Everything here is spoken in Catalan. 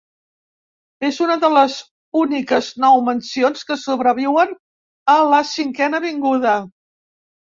És una de les úniques nou mansions que sobreviuen a la Cinquena Avinguda.